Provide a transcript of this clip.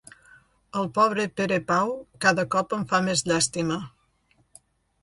El pobre Perepau cada cop em fa més llàstima.